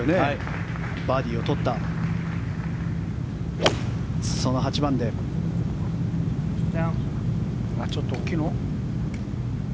バーディーを取ったちょっと大きいの？